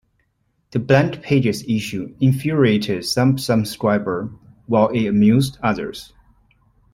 The blank pages issue infuriated some subscribers while it amused others.